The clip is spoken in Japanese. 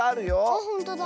あっほんとだ。